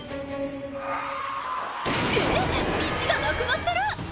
えっ道がなくなってる！